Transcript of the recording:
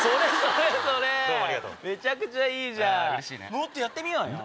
もっとやってみようよ。